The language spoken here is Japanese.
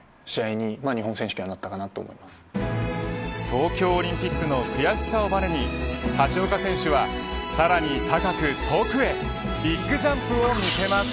東京オリンピックの悔しさをバネに橋岡選手は、さらに高く、遠くへビッグジャンプを見せます。